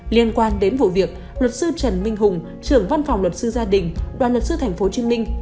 liên quan đến vụ việc luật sư trần minh hùng trưởng văn phòng luật sư gia đình đoàn luật sư thành phố trinh minh